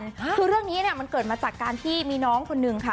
ถ้าร่วมเนี้ยมันเกิดมาจากการที่มีน้องคนหนึ่งค่ะ